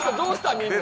みんな。